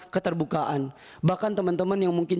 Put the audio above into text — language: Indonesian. keterbukaan bahkan teman teman yang mungkin